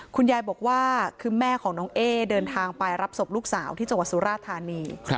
คุณยายบอกว่าคือแม่ของน้องเอ๊เดินทางไปรับศพลูกสาวที่จังหวัดสุราธานี